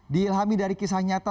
di ilhami dari kisah nyata